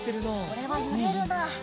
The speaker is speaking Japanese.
これはゆれるな。